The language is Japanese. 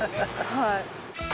はい。